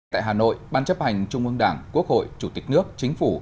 tại hà nội ban chấp hành trung ương đảng quốc hội chủ tịch nước chính phủ